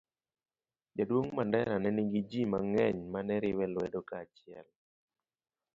Jaduong' Mandela ne nigi ji mang'eny ma ne riwe lwedo kaachiel